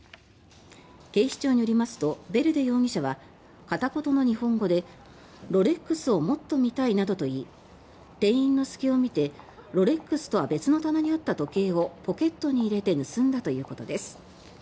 警視庁によりますとヴェルデ容疑者は片言の日本語で、ロレックスをもっと見たいなどと言い店員の隙を見てロレックスとは別の棚にあった時計をポケットに入れて盗んだということです。